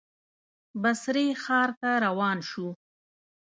بصرې ښار ته روان شو.